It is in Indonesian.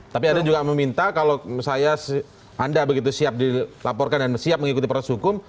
tapi ada juga yang meminta kalau anda begitu siap dilaporkan dan siap mengikuti proses hukum